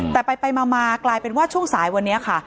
แต่ไปมากลายเป็นว่าช่วงสายวันนี้ค่ะ